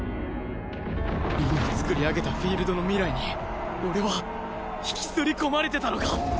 凛の作り上げたフィールドの未来に俺は引きずり込まれてたのか！？